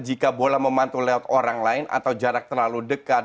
jika bola membantu lewat orang lain atau jarak terlalu dekat